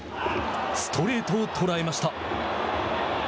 ストレートを捉えました。